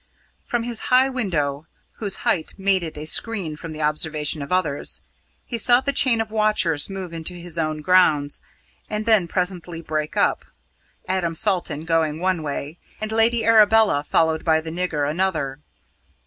From his high window whose height made it a screen from the observation of others he saw the chain of watchers move into his own grounds, and then presently break up Adam Salton going one way, and Lady Arabella, followed by the nigger, another.